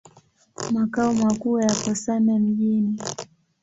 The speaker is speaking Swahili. Makao makuu yapo Same Mjini.